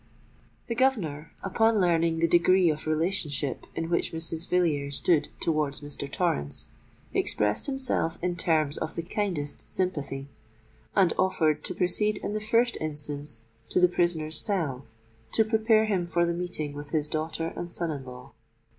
The governor, upon learning the degree of relationship in which Mrs. Villiers stood towards Mr. Torrens, expressed himself in terms of the kindest sympathy, and offered to proceed in the first instance to the prisoner's cell to prepare him for the meeting with his daughter and son in law.